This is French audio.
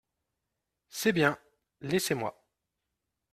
C’est bien… laissez-moi.